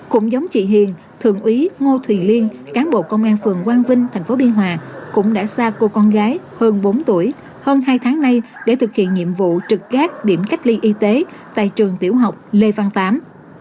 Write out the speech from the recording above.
cũng giống chị hiền thượng úy ngô thuyền liên cán bộ công an phường quang vinh tp biên hòa cũng đã xa cô con gái hơn bốn tuổi hơn hai tháng nay để thực hiện nhiệm vụ trực gác điểm cách ly y tế tại trường tiểu học lê văn tám